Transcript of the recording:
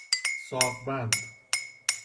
ساق بند